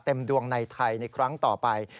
ดวงในไทยในครั้งต่อไป